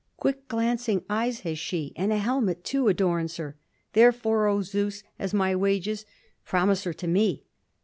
Quick glancing eyes has she, and a helmet, too, adorns her. Therefore, oh Zeus, as my wages, promise her to me."